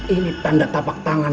ini tanda tapak tangan